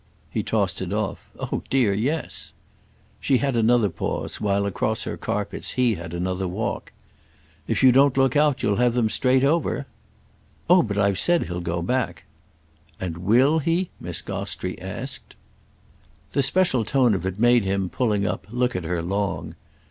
He tossed it off. "Oh dear, yes!" She had another pause while, across her carpets, he had another walk. "If you don't look out you'll have them straight over." "Oh but I've said he'll go back." "And will he?" Miss Gostrey asked. The special tone of it made him, pulling up, look at her long.